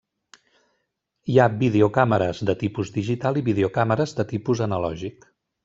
Hi ha videocàmeres de tipus digital i videocàmeres de tipus analògic.